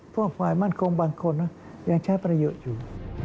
ฝ่ายมั่นคงบางคนยังใช้ประโยชน์อยู่